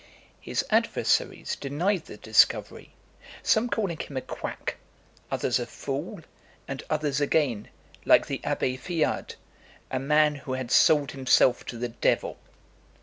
His adversaries denied the discovery; some calling him a quack, others a fool, and others again, like the Abbé Fiard, a man who had sold himself to the Devil!